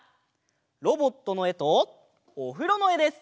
ロボットのえとおふろのえです！